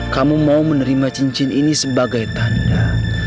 kamu mau menerima cincin ini sebagai tanda